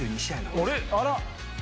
あら！